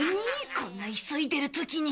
こんな急いでる時に。